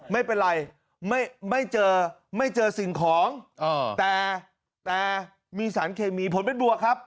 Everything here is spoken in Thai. ไม่เป็นไรไม่เจอไม่เจอสิ่งของแต่มีสารเคมีผลเป็นบวกครับ